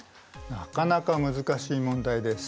なかなか難しい問題です。